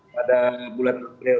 pada bulan april